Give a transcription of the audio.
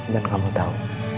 dan kamu tau